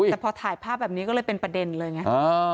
แต่พอถ่ายภาพแบบนี้ก็เลยเป็นประเด็นเลยไง